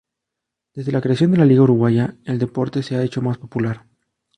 Desde la creación de la Liga Uruguaya, el deporte se ha hecho más popular.